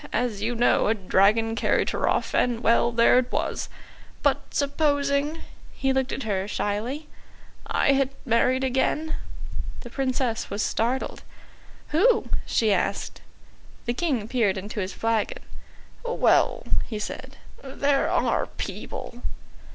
As you know, a dragon carried her off and well, there it was. But supposing" he looked at her shyly "I had married again." The Princess was startled. "Who?" she asked. The King peered into his flagon. "Well," he said, "there are people."